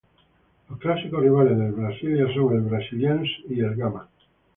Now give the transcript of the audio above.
Los clásicos rivales del Brasília son el Brasiliense y el Gama.